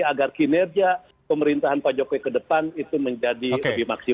agar kinerja pemerintahan pak jokowi ke depan itu menjadi lebih maksimal